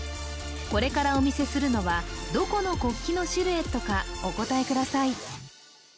これからお見せするのはどこの国旗のシルエットかお答えください